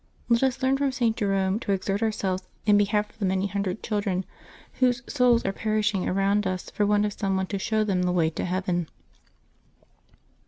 — Let us learn from St. Jerome to exert our selves in behalf of the many hundred children whose souls are perishing around us for want of some one to show them the way to heaven.